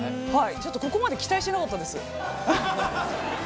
ちょっとここまで期待してなかったです。